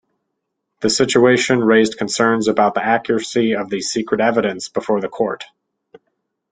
The situation raised concerns about the accuracy of the secret evidence before the court.